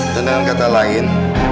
dan dengan kata lain